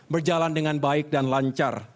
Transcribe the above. berjalan dengan baik dan lancar